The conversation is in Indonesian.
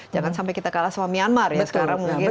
jangan sampai kita kalah sama myanmar ya sekarang mungkin